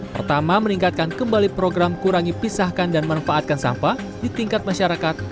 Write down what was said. pertama meningkatkan kembali program kurangi pisahkan dan manfaatkan sampah di tingkat masyarakat